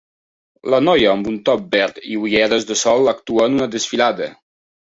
La noia amb un top verd i ulleres de sol actua en una desfilada.